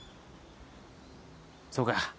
そうか。